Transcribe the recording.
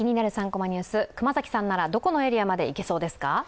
３コマニュース」、熊崎さんならどこのエリアまで行けそうですか？